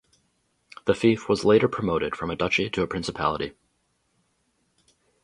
The fief was later promoted from a duchy to a principality.